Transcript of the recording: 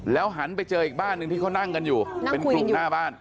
แล้วหันไปเจออีกบ้านหนึ่งที่เขานั่งกันอยู่นั่งผู้หญิงอยู่เป็นกลุ่มหน้าบ้าน